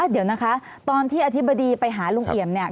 เดี๋ยวนะคะตอนที่อธิบดีไปหาลุงเอี่ยมเนี่ย